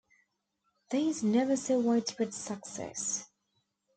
These never saw widespread success.